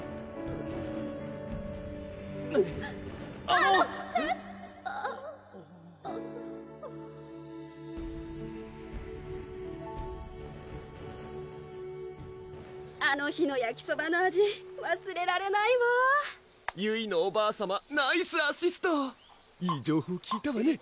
あぁあの日のやきそばの味わすれられないわゆいのおばあさまナイスアシストいい情報聞いたわね！